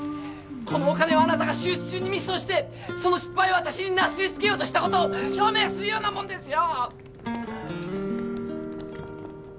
このお金はあなたが手術中にミスをしてその失敗を私になすりつけようとした事を証明するようなものですよ！